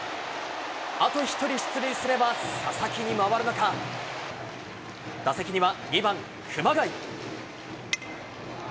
あと１人出塁すれば佐々木に回る中、打席には２番熊谷。